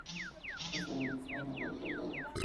Al timbre, Corona Real cerrada.